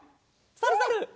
さるさる！